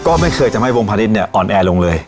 ก็ไม่เคยทำให้วงพระนิษฐ์อ่อนแอลงเลย